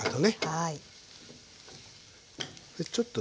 はい。